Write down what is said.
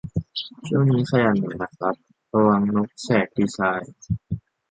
ช่วงนี้ขยันหน่อยนะครับ ระวัง นกแสกดีไซน์